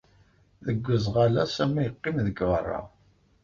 Deg uzɣal-a Sami yeqqim deg beṛṛa.